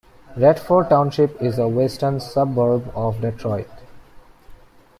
Redford Township is a western suburb of Detroit.